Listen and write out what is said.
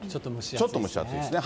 ちょっと蒸し暑いですね。